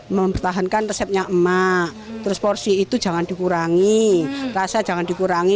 mempertahankan resepnya emak terus porsi itu jangan dikurangi rasa jangan dikurangi